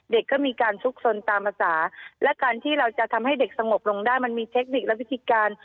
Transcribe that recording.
เด็กก็มีการซุกสนตามภาษาและการที่เราจะทำให้เด็กสงบลงได้มันมีเทคนิคและวิธีการ